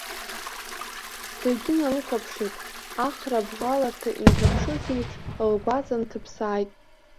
Дагьыналыхәаԥшит, ахра бӷаларҭа инҭаԥшыз иеиԥш, лгәаҵа нҭыԥсааит.